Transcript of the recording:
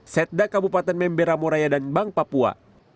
setda kabupaten mamberamuraya dan bank papua